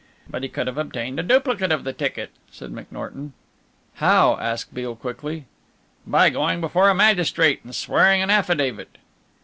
"But he could have obtained a duplicate of the ticket," said McNorton. "How?" asked Beale quickly. "By going before a magistrate and swearing an affidavit."